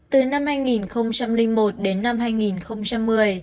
từ năm hai nghìn một đến năm hai nghìn một mươi